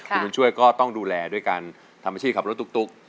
คุณบุญช่วยก็ต้องดูแลด้วยการทำอาชีพขับรถตุ๊ก